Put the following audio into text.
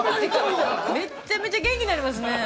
めっちゃめちゃ元気になりますね。